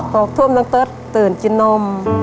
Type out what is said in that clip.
หกทุ่มน้องเติ๊ดตื่นกินนม